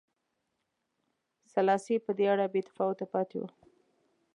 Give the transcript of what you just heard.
سلاسي په دې اړه بې تفاوته پاتې و.